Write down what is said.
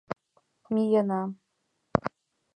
Миена!..